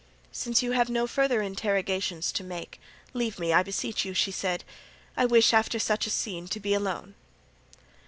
"Since you have no further interrogations to make, leave me, I beseech you," she said. "I wish, after such a scene, to be alone."